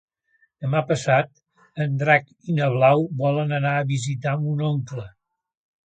Demà passat en Drac i na Blau volen anar a visitar mon oncle.